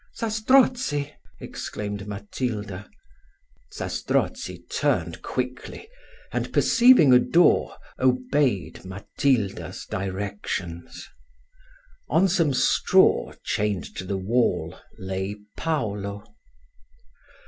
"Zastrozzi!" exclaimed Matilda. Zastrozzi turned quickly, and, perceiving a door, obeyed Matilda's directions. On some straw, chained to the wall, lay Paulo.